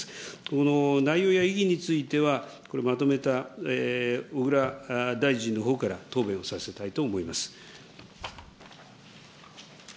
この内容や意義についてはこれ、まとめた小倉大臣のほうから答弁をさせたいと思います。